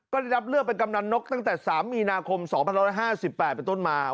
ก็ได้รับเลือกเป็นกำนันนกตั้งแต่๓มีนาคม๒๑๕๘เป็นต้นมา